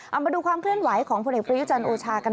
เอามาดูความเคลื่อนไหวของผลเอกประยุจันทร์โอชากันหน่อย